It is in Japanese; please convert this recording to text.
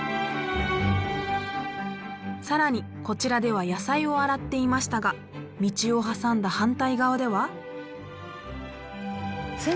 更にこちらでは野菜を洗っていましたが道を挟んだ反対側では。